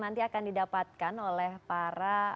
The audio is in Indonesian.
nanti akan didapatkan oleh para